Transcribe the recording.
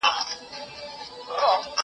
زه بايد قلم استعمالوم کړم!؟